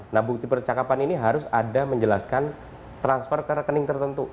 nah bukti percakapan ini harus ada menjelaskan transfer ke rekening tertentu